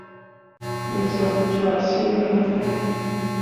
Mo zak cuah sin no ne ?